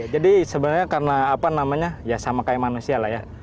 jadi sebenarnya karena apa namanya ya sama kayak manusia lah ya